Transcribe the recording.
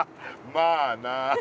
まあな。